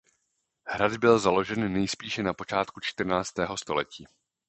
Hrad byl založen nejspíše na počátku čtrnáctého století.